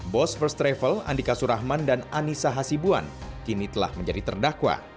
bos first travel andika surahman dan anissa hasibuan kini telah menjadi terdakwa